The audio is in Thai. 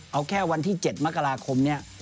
เอาแค่วันที่๗มกราคมนี้